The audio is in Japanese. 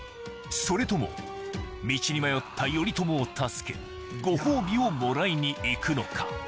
それとも道に迷った頼朝を助けご褒美をもらいに行くのか？